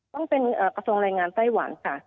ต้องเป็นกระทรวงแรงงานไต้หวันค่ะ